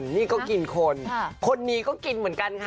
นี่ก็กินคนคนมีก็กินเหมือนกันค่ะ